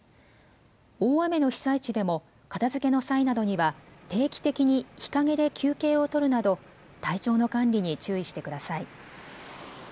大雨の被災地でも片づけの際などには定期的に日陰で休憩を取るなど体調の管理に注意してください。